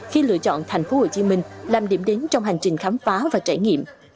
khi lựa chọn tp hcm làm điểm đến trong hành trình khám phá và trải nghiệm